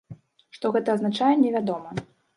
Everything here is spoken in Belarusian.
Што гэта азначае, невядома.